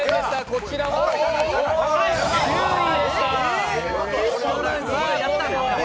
こちらは９位でした。